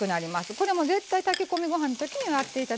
これは絶対炊き込みご飯の時にやって頂きたいことですね。